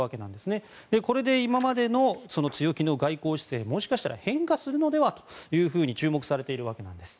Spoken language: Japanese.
これで今までの強気の外交姿勢がもしかしたら変化するのではと注目されているわけです。